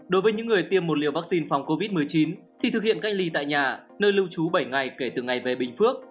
đối với những người tiêm một liều vaccine phòng covid một mươi chín thì thực hiện cách ly tại nhà nơi lưu trú bảy ngày kể từ ngày về bình phước